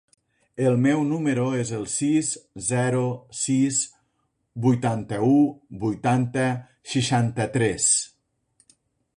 El meu número es el sis, zero, sis, vuitanta-u, vuitanta, seixanta-tres.